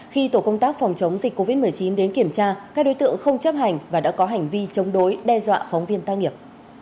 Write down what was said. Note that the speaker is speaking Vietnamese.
khi tổ công tác phòng chống dịch covid một mươi chín đến kiểm tra các đối tượng không chấp hành và đã có hành vi chống đối đe dọa phóng viên tác nghiệp